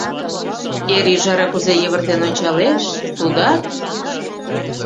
— Эр ӱжара кузе йывыртен ончалеш, тудат...